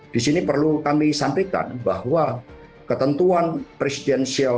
di sini perlu kami sampaikan bahwa ketentuan presidensial